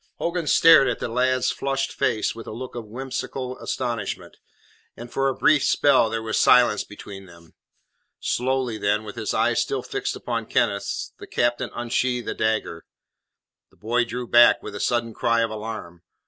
Hogan stared at the lad's flushed face with a look of whimsical astonishment, and for a brief spell there was silence between them. Slowly then, with his eyes still fixed upon Kenneth's, the captain unsheathed a dagger. The boy drew back, with a sudden cry of alarm.